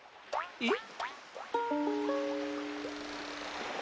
えっ？